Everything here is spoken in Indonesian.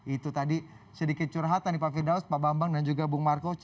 itu tadi sedikit curhatan nih pak firdaus pak bambang dan juga bung marco